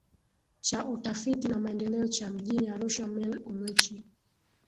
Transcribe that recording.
cha utafiti na maendeleo cha mjini arusha mel ulwechi